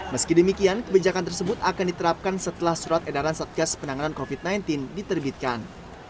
meski demikian kebijakan tersebut akan diterapkan setelah surat edaran satgas penanganan covid sembilan belas diterbitkan